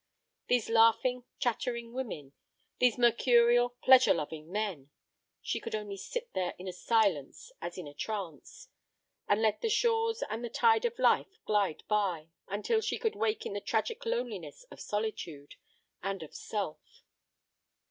These laughing, chattering women, these mercurial, pleasure loving men! She could only sit there in a silence as in a trance, and let the shores and the tide of life glide by, until she could wake in the tragic loneliness of solitude—and of self.